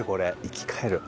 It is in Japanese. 生き返る。